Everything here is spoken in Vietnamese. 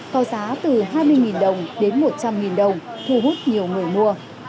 có giá từ hai mươi đồng đến một trăm linh đồng thu hút nhiều người mua